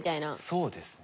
そうですね。